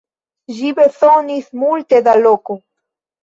Ĝi bezonis multe da loko.